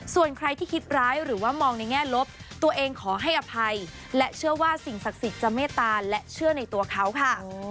ส่วนใครที่คิดร้ายหรือว่ามองในแง่ลบตัวเองขอให้อภัยและเชื่อว่าสิ่งศักดิ์สิทธิ์จะเมตตาและเชื่อในตัวเขาค่ะ